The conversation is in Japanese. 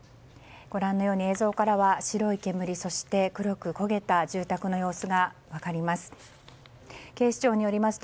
ご覧のように映像からは白い煙そして、黒く焦げた住宅の様子が分かります。